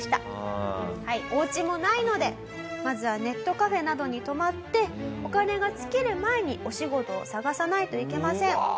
お家もないのでまずはネットカフェなどに泊まってお金が尽きる前にお仕事を探さないといけません。